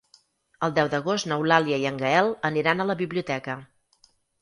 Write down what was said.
El deu d'agost n'Eulàlia i en Gaël aniran a la biblioteca.